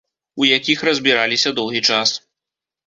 У якіх разбіраліся доўгі час.